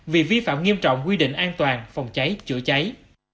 vì vi phạm nghiêm trọng quy định an toàn phòng cháy chữa cháy